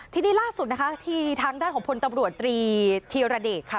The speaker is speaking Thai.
ทีนี้ล่าสุดนะคะที่ทางด้านของพลตำรวจตรีธีรเดชค่ะ